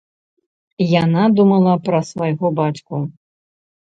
Яна думала пра свайго бацьку.